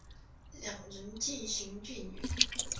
两人渐行渐远